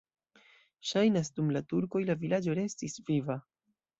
Ŝajnas, dum la turkoj la vilaĝo restis viva.